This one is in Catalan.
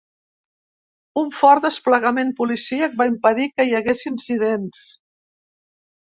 Un fort desplegament policíac va impedir que hi hagués incidents.